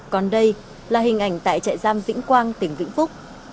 còn đây là hình ảnh tại trại giam vĩnh quang tỉnh vĩnh phúc